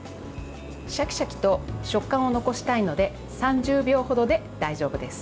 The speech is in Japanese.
シャキシャキと食感を残したいので３０秒程で大丈夫です。